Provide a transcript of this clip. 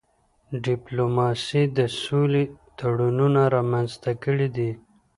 ډيپلوماسي د سولې تړونونه رامنځته کړي دي.